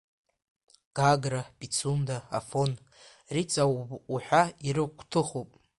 Гагра, Пицунда, Афон, Риҵа уҳәа ирықәҭыхуп.